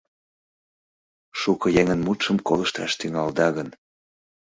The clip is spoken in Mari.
Шуко еҥын мутшым колышташ тӱҥалда гын